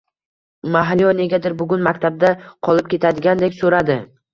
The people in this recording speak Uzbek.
Mahliyo negadir bugun maktabda qolib ketadigandek so`radi